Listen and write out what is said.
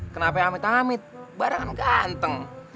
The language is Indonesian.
kenapa amit amit bara kan ganteng